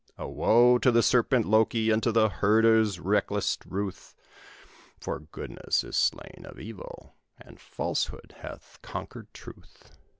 A woe to the serpent Loké, and to Hörder's reckless ruth, For Goodness is slain of Evil, and Falsehood hath conquered Truth!